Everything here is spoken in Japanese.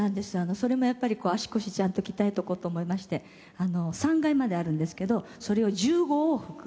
それもやっぱり足腰ちゃんと鍛えておこうと思いまして３階まであるんですけどそれを１５往復。